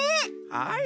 はい。